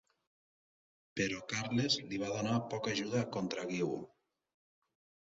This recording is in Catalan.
Però Carles li va donar poca ajuda contra Guiu.